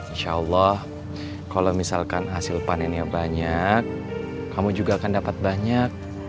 insya allah kalau misalkan hasil panennya banyak kamu juga akan dapat banyak